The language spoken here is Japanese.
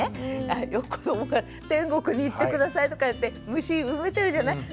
よく子どもが「天国に行って下さい」とか言って虫埋めてるじゃない？